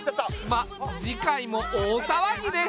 まっ次回も大騒ぎです。